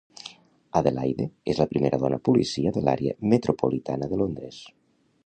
Adelaide és la primera dona policia de l’àrea metropolitana de Londres.